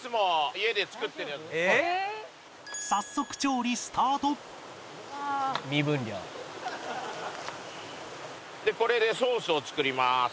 早速調理スタート「ミブンリョウ」でこれでソースを作ります。